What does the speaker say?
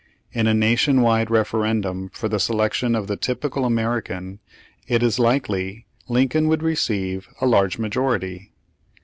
In a nation wide referendum for the se lection of the typical American, it is likely Lin coln would receive a large majority.